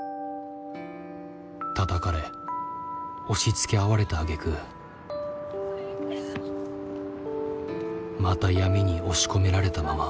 たたかれ押しつけ合われたあげくまた闇に押し込められたまま。